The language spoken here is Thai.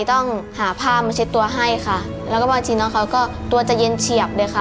ต้องหาผ้ามาเช็ดตัวให้ค่ะแล้วก็บางทีน้องเขาก็ตัวจะเย็นเฉียบเลยค่ะ